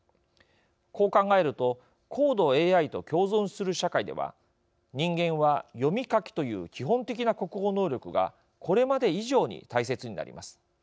こう考えると高度ＡＩと共存する社会では人間は、読み書きという基本的な国語能力がこれまで以上に大切になります。